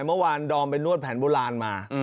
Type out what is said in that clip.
เมื่อวานดอมไปนวดแผนโบราณมา